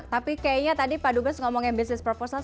tapi kayaknya tadi pak dubes ngomongin bisnis proposal